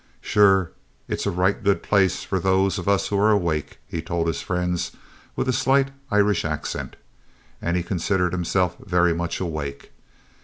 "Sure, it's a right good place for those of us who are awake," he told his friends, with a slight Irish accent, and he considered himself very much awake.